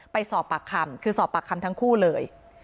ไปสอบปากคำคือสอบปากคำทั้งคู่เลย